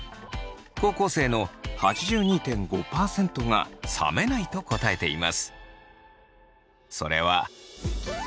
高校生の８２．５％が冷めないと答えています。